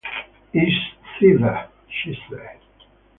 "It's theater," she said.